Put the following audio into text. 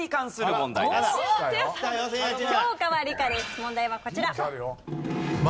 問題はこちら。